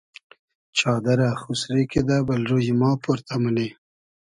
چادئرہ خوسری کیدہ بئل روی ما پۉرتۂ مونی